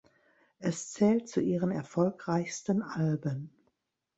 Es zählt zu ihren erfolgreichsten Alben.